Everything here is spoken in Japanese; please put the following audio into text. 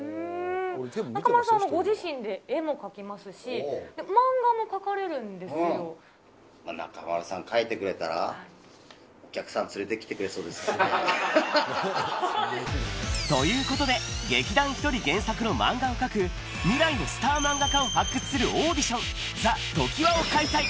中丸さんはご自身で絵も描き中丸さんが描いてくれたら、お客さん連れて来てくれそうですよね。ということで、劇団ひとり原作の漫画を描く未来のスター漫画家を発掘するオーディション、ザ・トキワを開催。